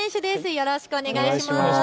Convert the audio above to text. よろしくお願いします。